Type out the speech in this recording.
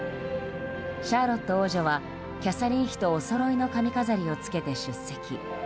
シャーロット王女はキャサリン妃とおそろいの髪飾りをつけて出席。